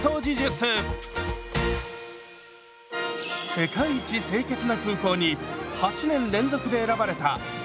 「世界一清潔な空港」に８年連続で選ばれた羽田空港。